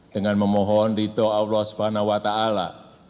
dengan memohon ridho aulose bannawata'ala